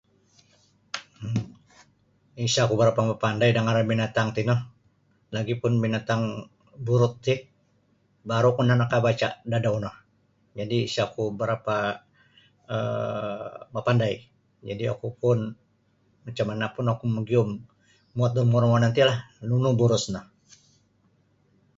um Isa ku barapa mapandai da ngaran binatang tino lagi pun binatang buruj ti baru ku nakabaca dadau no jadi isa ku barapa um mapandai jadi oku pun macam mana pun oku magium muot da rumo-rumo nantilah nunu buruj no.